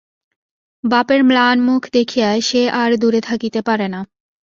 বাপের ম্লান মুখ দেখিয়া সে আর দূরে থাকিতে পারে না।